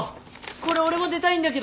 これ俺も出たいんだけど！